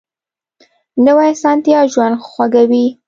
نوې اسانتیا ژوند خوږوي